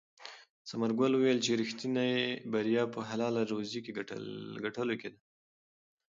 ثمرګل وویل چې ریښتینې بریا په حلاله روزي ګټلو کې ده.